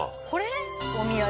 お土産。